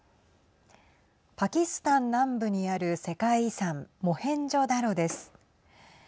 パキスタン南部にある世界遺産モヘンジョダロです。